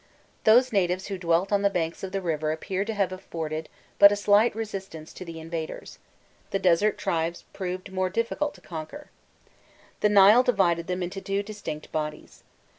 Those natives who dwelt on the banks of the river appear to have offered but a slight resistance to the invaders: the desert tribes proved more difficult to conquer. The Nile divided them into two distinct bodies.